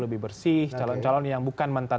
lebih bersih calon calon yang bukan mantan